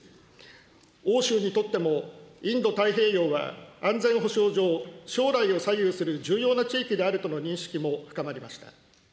欧州にとっても、インド太平洋は安全保障上、将来を左右する重要な地域であるとの認識も深まりました。